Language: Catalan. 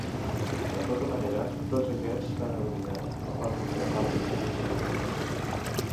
De tota manera, tots aquests s'han eliminat, apart d'un grapat exhibits als museus.